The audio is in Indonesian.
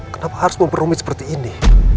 kenapa harus memperumit seperti ini